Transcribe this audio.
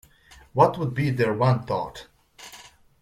What would be their one thought?